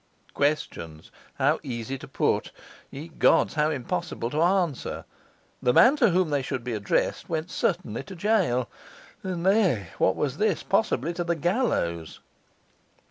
Questions, how easy to put! ye gods, how impossible to answer! The man to whom they should be addressed went certainly to gaol, and eh! what was this? possibly to the gallows.